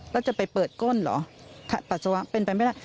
แล้วจะไปเปิดก้นเหรอปัสสาวะเป็นไปไม่ได้